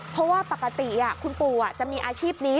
เพราะว่าปกติคุณปู่จะมีอาชีพนี้